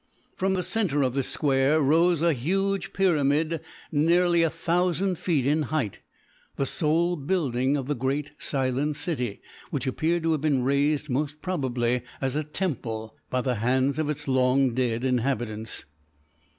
From the centre of this square rose a huge pyramid nearly a thousand feet in height, the sole building of the great silent city which appeared to have been raised most probably as a temple by the hands of its long dead inhabitants.